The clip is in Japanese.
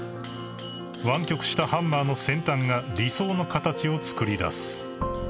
［湾曲したハンマーの先端が理想の形を作り出す］